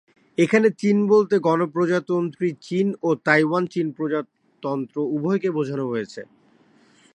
এখানে চীন বলতে গণপ্রজাতন্ত্রী চীন ও তাইওয়ান চীন প্রজাতন্ত্র উভয়কে বোঝানো হয়েছে।